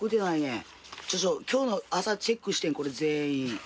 今日の朝チェックしてんこれ全員。